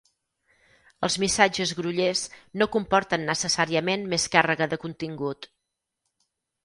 Els missatges grollers no comporten necessàriament més càrrega de contingut.